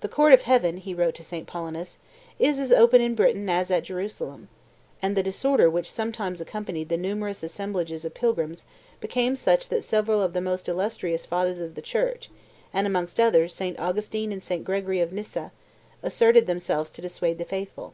"The court of heaven," he wrote to St. Paulinus, "is as open in Britain as at Jerusalem;" and the disorder which sometimes accompanied the numerous assemblages of pilgrims became such that several of the most illustrious fathers of the Church, and amongst others St. Augustine and St. Gregory of Nyssa, exerted themselves to dissuade the faithful.